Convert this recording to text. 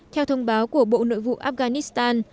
theo thông báo của bộ nội vụ afghanistan